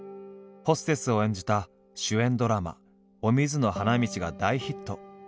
ホステスを演じた主演ドラマ「お水の花道」が大ヒット。